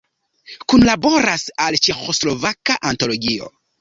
Kunlaboras al Ĉeĥoslovaka antologio.